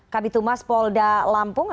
kami tumas polda lampung